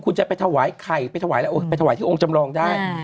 คุณจะไปถวายใครไปถวายแล้วไปถวายที่องค์จำรองได้อ่า